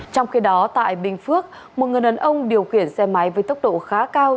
trong khi đó tại bình phước một người đàn ông điều khiển xe máy với tốc độ khá cao